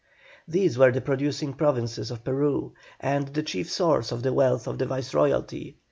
These were the producing provinces of Peru, and the chief source of the wealth of the Viceroyalty.